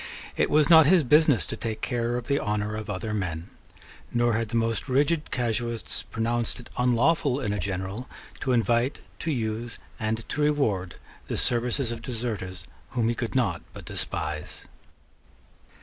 It was not his business to take care of the honour of other men; nor had the most rigid casuists pronounced it unlawful in a general to invite, to use, and to reward the services of deserters whom he could not but despise.